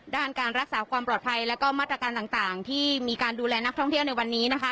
ด้านการรักษาความปลอดภัยแล้วก็มาตรการต่างที่มีการดูแลนักท่องเที่ยวในวันนี้นะคะ